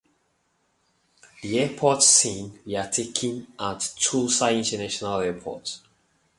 The airport scenes were taken at Tulsa International Airport.